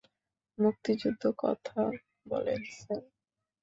যুক্তিযুক্ত কথা বলেন, স্যার।